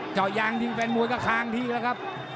เจาะยางทิ้งแฟนมวยก็คางทีแล้วครับ